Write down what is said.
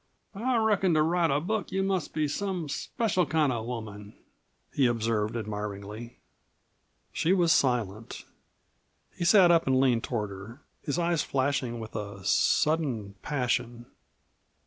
"I reckon to write a book you must be some special kind of a woman," he observed admiringly. She was silent. He sat up and leaned toward her, his eyes flashing with a sudden passion.